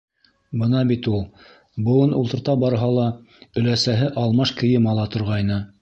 Бына бит ул: быуын ултырта барһа ла өләсәһе алмаш кейем ала торғайны.